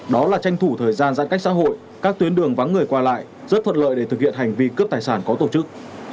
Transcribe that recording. đó là tranh thủ thời gian giãn cách xã hội các tuyến đường vắng người qua lại rất thuận lợi để thực hiện hành vi cướp tài sản có tổ chức